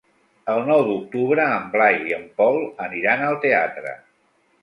El nou d'octubre en Blai i en Pol aniran al teatre.